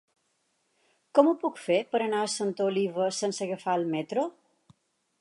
Com ho puc fer per anar a Santa Oliva sense agafar el metro?